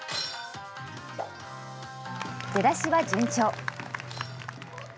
出だしは順調。